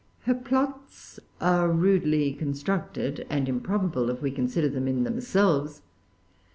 Her plots are rudely constructed and improbable, if we consider them in themselves.